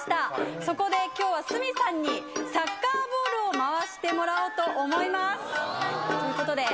そこできょうは、鷲見さんにサッカーボールを回してもらおうと思います。